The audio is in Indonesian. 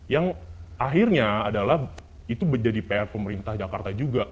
yang akhirnya adalah itu menjadi pr pemerintah jakarta juga